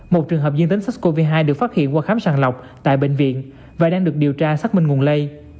một trường hợp dương tính sars cov hai được phát hiện qua khám sàng lọc tại bệnh viện và đang được điều tra xác minh nguồn lây